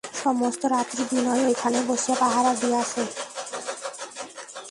সমস্ত রাত্রি বিনয় ঐখানেই বসিয়া পাহারা দিয়াছে!